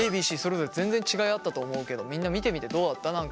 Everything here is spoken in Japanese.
ＡＢＣそれぞれ全然違いあったと思うけどみんな見てみてどうだった？